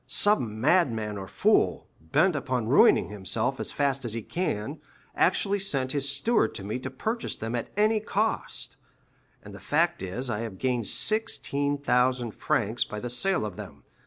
Some madman or fool, bent upon ruining himself as fast as he can, actually sent his steward to me to purchase them at any cost; and the fact is, I have gained 16,000 francs by the sale of them.